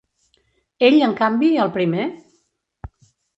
Ell, en canvi, el primer?